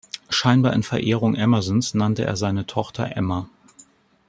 Scheinbar in Verehrung Emersons nannte er seine Tochter Ema.